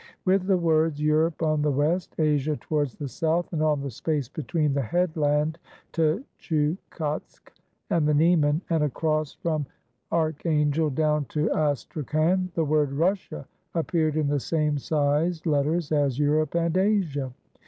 With the words Europe on the west, Asia towards the south, and on the space between the headland Tchoukotsk and the Niemen, and across 91 RUSSIA from Archangel down to Astrakhan the word Russia appeared in the same sized letters as Europe and Asia.